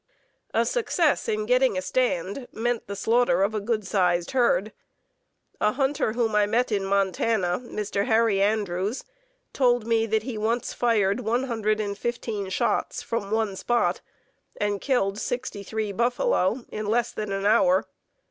A success in getting a stand meant the slaughter of a good sized herd. A hunter whom I met in Montana, Mr. Harry Andrews, told me that he once fired one hundred and fifteen shots from one spot and killed sixty three buffalo in less than an hour.